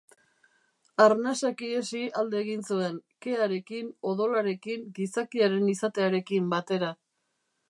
Arnasak ihesi alde egin zuen, kearekin, odolarekin, gizakiaren izatearekin batera.